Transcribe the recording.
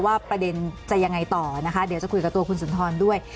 ประเด็นจะยังไงต่อนะคะเดี๋ยวจะคุยกับตัวคุณสุนทรด้วย